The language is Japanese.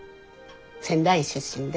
仙台出身で。